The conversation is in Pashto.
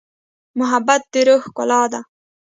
محبت د روح ښکلا ده.